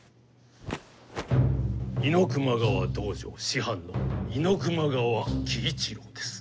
猪熊川道場師範の猪熊川喜一郎です。